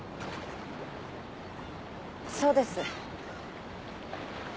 そうです。